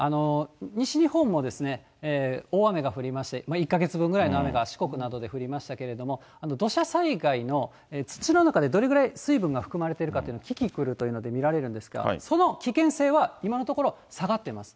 西日本も大雨が降りまして、１か月分ぐらいの雨が四国などで降りましたけれども、土砂災害の、土の中でどれぐらい水分が含まれているか、キキクルというので見られるんですが、その危険性は今のところ下がってます。